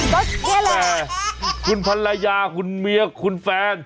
ก็แค่คุณภรรยาคุณเมียคุณแฟน